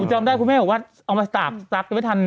ถูมเจอได้ครูแม่ขอว่าเอาสักงันไปทัน